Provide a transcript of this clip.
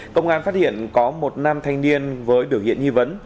công an phát hiện có một nam thanh niên với biểu hiện nghi vấn